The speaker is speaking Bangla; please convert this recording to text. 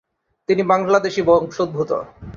তিনি বাংলাদেশী বংশোদ্ভূত।